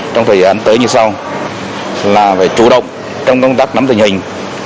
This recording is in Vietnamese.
trong thời gian tới như sau là phải chủ động trong công tác nắm tình hình